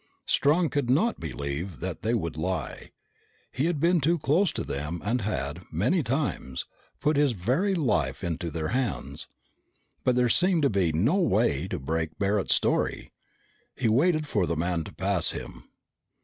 Strong could not believe that they would lie. He had been too close to them and had, many times, put his very life into their hands. But there seemed to be no way to break Barret's story. He waited for the man to pass him.